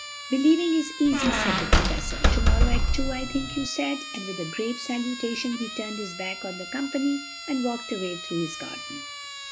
"Believing is easy," said the Professor. "Tomorrow at two, I think you said?" and with a grave salutation he turned his back on the company and walked away through his garden.